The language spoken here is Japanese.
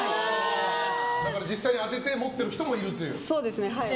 だから実際当てて持ってる人もいるという。